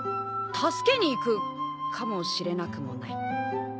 助けに行くかもしれなくもない。